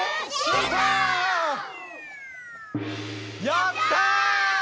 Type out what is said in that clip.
「やったー！！」